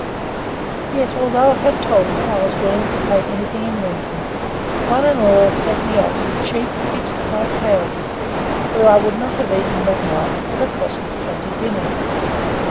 Yet, although I had told them I was willing to pay anything in reason, one and all sent me off to cheap, fixed price houses, where I would not have eaten that night for the cost of twenty dinners.